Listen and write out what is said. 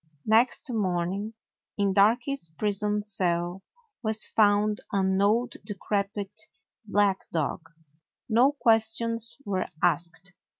Next morning in Darky's prison cell was found an old decrepit black dog. No ques tions were asked.